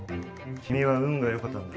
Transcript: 君は運がよかったんだ。